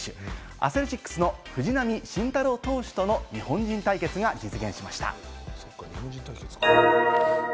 アスレチックスの藤浪晋太郎投手との日本人対決が実現しました。